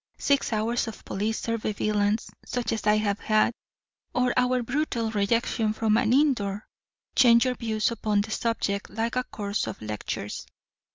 Six hours of police surveillance (such as I have had), or one brutal rejection from an inn door, change your views upon the subject like a course of lectures.